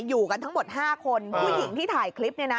อยู่กันทั้งหมด๕คนผู้หญิงที่ถ่ายคลิปเนี่ยนะ